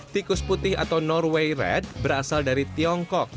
tikus putih atau norway red berasal dari tiongkok